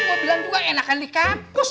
gue bilang juga enakan di kampus